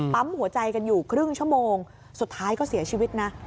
ปั๊มหัวใจกันอยู่ครึ่งชั่วโมงสุดท้ายก็เสียชีวิตนะ